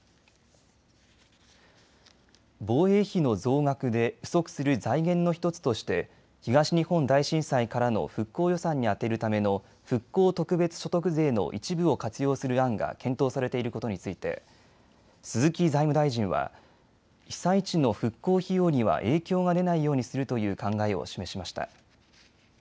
防衛費の増額で不足する財源の１つとして東日本大震災からの復興予算に充てるための復興特別所得税の一部を活用する案が検討されていることについて鈴木財務大臣は被災地の復興費用には影響が出ないようにするという考えを示しました。